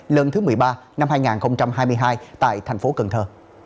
lần thứ một mươi ba năm hai nghìn hai mươi hai tại thành phố cần thơ